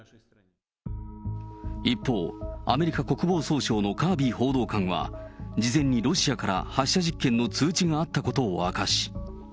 一方、アメリカ国防総省のカービー報道官は、事前にロシアから発射実験の通知があったことを明かし。